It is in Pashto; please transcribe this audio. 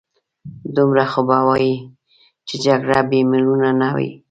دومره خو به وايې چې جګړه بې مړو نه وي.